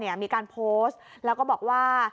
มีการโพสต์แล้วก็บอกว่า